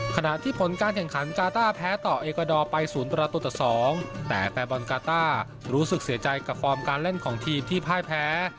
ขณะที่ผลการแข่งขันกาต้าแพ้ต่อเอกวาดอร์ไป๐ประตูต่อ๒แต่แฟนบอลกาต้ารู้สึกเสียใจกับฟอร์มการเล่นของทีมที่พ่ายแพ้